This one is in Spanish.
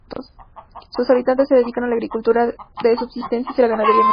Sus habitantes se dedican a la agricultura de subsistencia y a la ganadería menor.